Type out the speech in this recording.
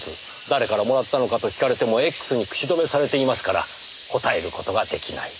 誰からもらったのかと聞かれてもＸに口止めされていますから答える事ができない。